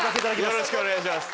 よろしくお願いします。